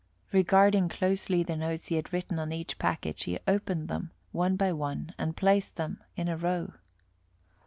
Regarding closely the notes he had written on each package, he opened them one by one and placed them in a row.